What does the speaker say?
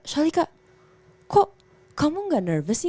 shalika kok kamu enggak nervous nih